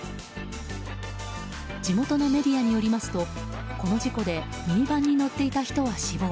地元のメディアによりますとこの事故でミニバンに乗っていた人は死亡。